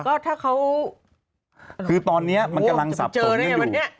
ก็ถ้าเขาคือตอนนี้มันกำลังสับสนกันอยู่เนี่ย